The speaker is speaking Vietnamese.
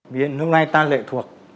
vì nước này ta lệ thuộc